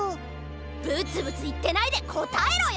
ブツブツいってないでこたえろよ！